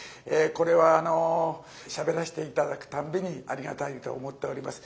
これはしゃべらせて頂くたんびにありがたいと思っております。